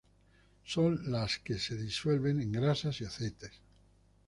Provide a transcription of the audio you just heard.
Son las que se disuelven en grasas y aceites.